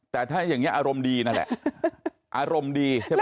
แต่ถ้าอย่างนี้อารมณ์ดีนั่นแหละอารมณ์ดีใช่ไหม